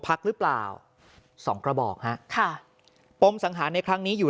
พักหรือเปล่าสองกระบอกฮะค่ะปมสังหารในครั้งนี้อยู่